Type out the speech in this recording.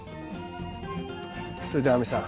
それでは亜美さん。